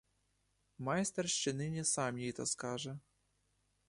Майстер ще нині сам їй то скаже.